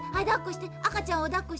あかちゃんをだっこして」。